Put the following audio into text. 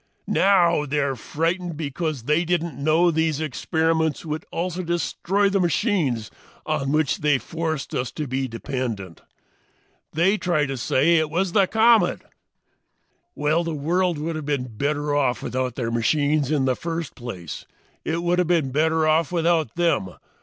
Now they're frightened because they didn't know these experiments would also destroy the machines on which they had forced us to be dependent. They try to say it is the comet. "Well, the world would have been better off without their machines in the first place. It would have been better off without them.